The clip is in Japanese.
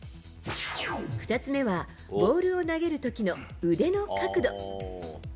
２つ目は、ボールを投げるときの腕の角度。